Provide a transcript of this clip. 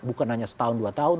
bukan hanya setahun dua tahun